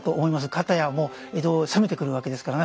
片や江戸を攻めてくるわけですからね